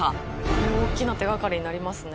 これ大きな手がかりになりますね。